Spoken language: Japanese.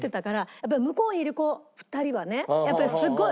やっぱり向こうにいる子２人はねやっぱりすごい。